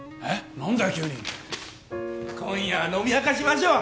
何だよ急に今夜は飲みあかしましょう！